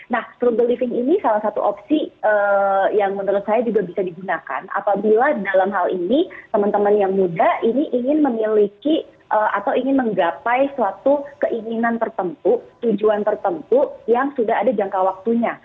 nah strumble living ini salah satu opsi yang menurut saya juga bisa digunakan apabila dalam hal ini teman teman yang muda ini ingin memiliki atau ingin menggapai suatu keinginan tertentu tujuan tertentu yang sudah ada jangka waktunya